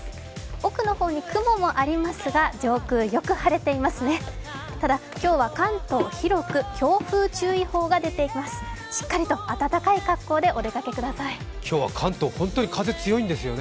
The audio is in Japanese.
奥の方に雲もありますが上空、よく晴れていますね。